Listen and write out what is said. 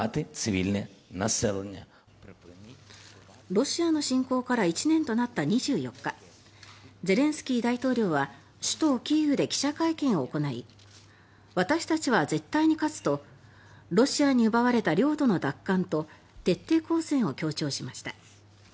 ロシアの侵攻から１年となった２４日ゼレンスキー大統領は首都キーウで記者会見を行い私たちは絶対に勝つとロシアに奪われた領土の奪還と徹底抗戦を強調しました。